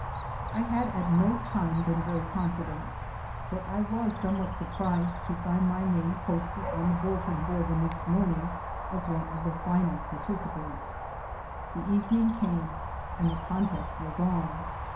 I had at no time been very confident; so I was somewhat surprised to find my name posted on the bulletin board the next morning as one of the final participants. The evening came and the contest was on.